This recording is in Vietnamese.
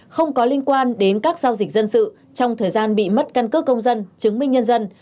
không có liên quan đến các giao dịch dân sự trong thời gian bị mất căn cước công dân chứng minh nhân dân